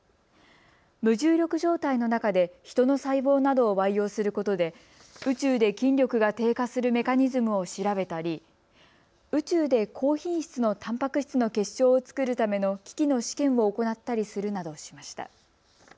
無重力状態の中でヒトの細胞などを培養することで宇宙で筋力が低下するメカニズムを調べたり宇宙で高品質のたんぱく質の結晶を作るための機器の試験を行ったりするなどしました。